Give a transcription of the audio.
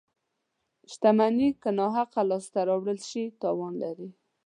• شتمني که ناحقه لاسته راوړل شي، تاوان لري.